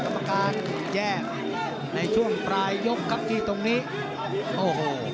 กรรมการแยกในช่วงปลายยกครับที่ตรงนี้โอ้โห